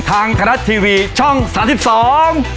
ทางขนาดทีวีช่อง๓๒